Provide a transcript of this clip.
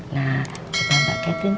nah coba mbak catherine